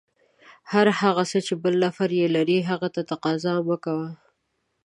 هر هغه څه چې بل نفر یې لري، هغه ته تقاضا مه کوه.